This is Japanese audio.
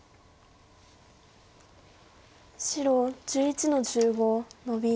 白１１の十五ノビ。